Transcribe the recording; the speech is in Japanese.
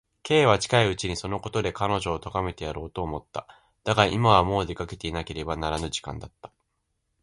Ｋ は近いうちにそのことで彼女をとがめてやろうと思った。だが、今はもう出かけていかねばならぬ時間だった。